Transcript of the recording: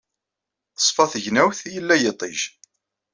Teṣfa tegnawt, yella yiṭij.